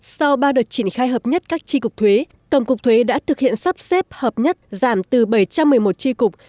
sau ba đợt triển khai hợp nhất các tri cục thuế tổng cục thuế đã thực hiện sắp xếp hợp nhất giảm từ bảy trăm một mươi một tri cục